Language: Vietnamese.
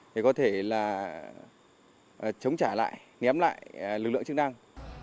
thì có thể là chống trả lại nhém lại lực lượng chức năng